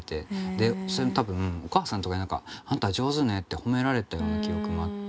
でそれも多分お母さんとかに何か「あんた上手ね」って褒められたような記憶もあって。